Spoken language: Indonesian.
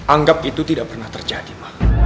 anggap itu tidak pernah terjadi